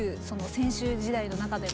選手時代の中でも。